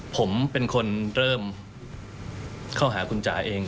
ผมเป็นคนเริ่มเข้าหาคุณจ๋าเอง